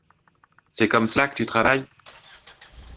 C’est comme cela que tu travailles!